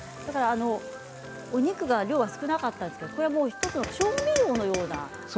お肉の量が少なかったんですが、１つの調味料のような。